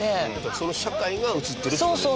その社会が映ってるっていう事。